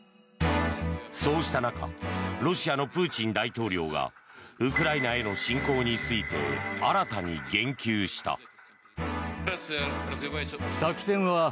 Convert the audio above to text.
そうした中ロシアのプーチン大統領がウクライナへの侵攻について新たに言及した。